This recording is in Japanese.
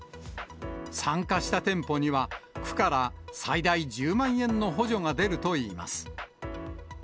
参加した店舗には、区から最大１０万円の補助が出るといいます。